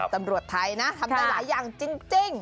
ตำรวจไทยนะทำได้หลายอย่างจริง